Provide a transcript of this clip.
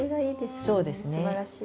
すばらしいです。